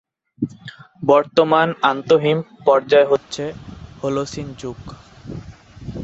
বর্তমান আন্তঃহিম-পর্যায় হচ্ছে হলোসিন যুগ।